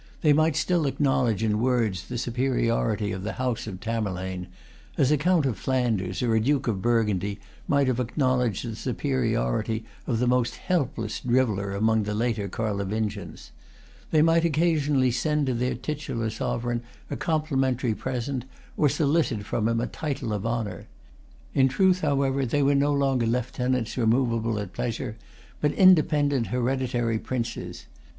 They might still acknowledge in words the superiority of the house of Tamerlane; as a Count of Flanders or a Duke of Burgundy might have acknowledged the superiority of the most helpless driveller among the later Carlovingians. They might occasionally send to their titular sovereign a complimentary present, or solicit from him a title of honour. In truth, however, they were no longer lieutenants removable at pleasure, but independent hereditary princes.